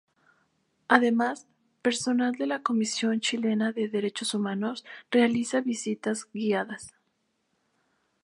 Además, personal de la Comisión Chilena de Derechos Humanos realiza visitas guiadas.